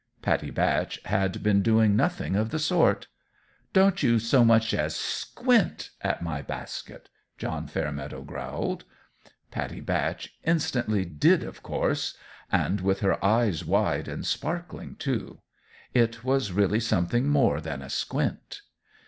Pattie Batch had been doing nothing of the sort. "Don't you so much as squint at my basket," John Fairmeadow growled. Pattie Batch instantly did, of course and with her eyes wide and sparkling, too. It was really something more than a squint.